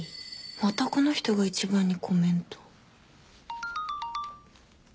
またこの人が一番にコメント。